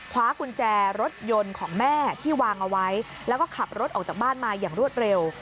คว้ากุญแจรถยนต์ของแม่ที่วางเอาไว้แล้วก็ขับรถออกจากบ้านมาอย่างรวดเร็ว